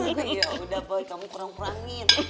ya udah boy kamu kurang kurangin